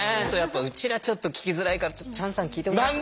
うちらちょっと聞きづらいからチャンさん聞いてもらって。